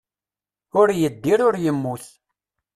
Ur yeddir ur yemmut.